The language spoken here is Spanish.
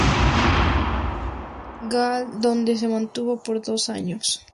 Gallen, donde se mantuvo por dos años.